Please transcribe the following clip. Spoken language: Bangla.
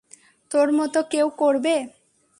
তোর মতো কেউ করবে?